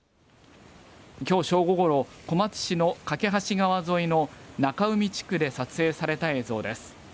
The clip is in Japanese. きょう正午ごろ、小松市の梯川沿いの中海地区で撮影された映像です。